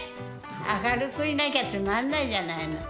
明るくいなきゃつまんないじゃないの。